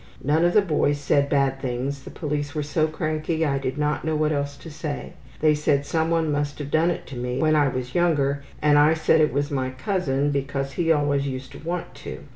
None of the boys said bad things. The police were so cranky I did not know what else to say. They said someone must have done it to me when I was younger and I said it was my cousin because he always used to want to.